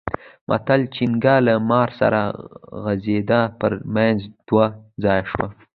متل؛ چينګه له مار سره غځېده؛ پر منځ دوه ځايه شوه.